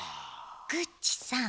グッチさん。